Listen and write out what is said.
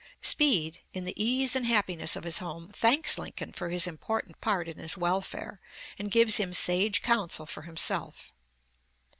Speed, in the ease and happiness of his home, thanks Lincoln for his important part in his welfare, and gives him sage counsel for himself.